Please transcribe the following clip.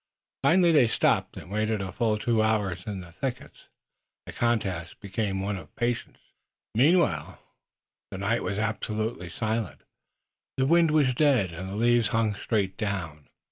Finally they stopped and waited a full two hours in the thickets, the contest becoming one of patience. Meanwhile the night was absolutely silent. The wind was dead, and the leaves hung straight down.